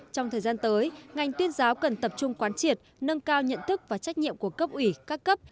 trong thời gian tới ngành tuyên giáo cần tập trung quán triệt nâng cao nhận thức và trách nhiệm của cấp ủy các cấp